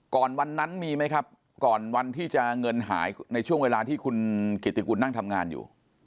ก่อนวันนั้นมีไหมครับก่อนวันที่จะเงินหายในช่วงเวลาที่คุณกิติกุลนั่งทำงานอยู่